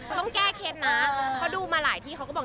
ต้องแก้เคล็ดนะเขาดูมาหลายที่เขาก็บอก